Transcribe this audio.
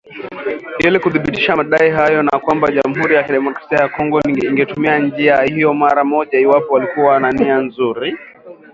Ili kuthibitisha madai hayo na kwamba Jamhuri ya kidemokrasia ya Kongo ingetumia njia hiyo mara moja iwapo walikuwa na nia nzuri.